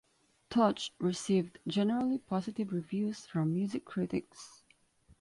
"Touch" received generally positive reviews from music critics.